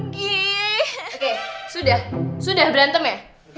yeay oke sudah sudah berantem ya